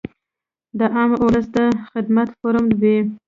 د عام اولس د خدمت فورم وي -